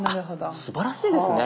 すばらしいですね。